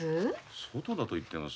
外だと言ってます。